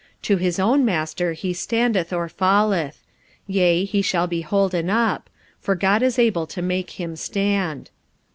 to his own master he standeth or falleth. Yea, he shall be holden up: for God is able to make him stand.